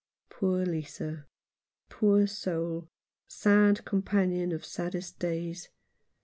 Poor Lisa — poor soul — sad companion of saddest days.